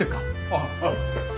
ああ。